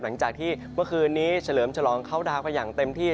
หลังจากที่เมื่อคืนนี้เฉลิมฉลองเข้าดาวไปอย่างเต็มที่